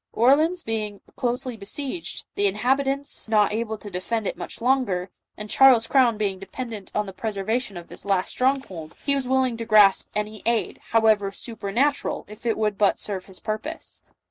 Orleans being closely besieged, the inhabitants not able to defend it much longer, and Charles's crown being dependent on the preservation of this last stronghold, he was willing to grasp any aid, however supernatural, if it would but serve his purpose.